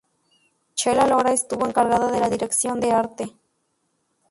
Chela Lora estuvo encargada de la dirección de arte.